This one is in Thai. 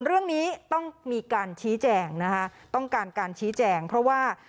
เรื่องนี้ต้องมีการชี้แจงนะคะต้องการการชี้แจงเพราะว่า